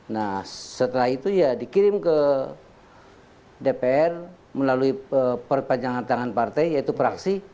nah setelah itu ya dikirim ke dpr melalui perpanjangan tangan partai yaitu praksi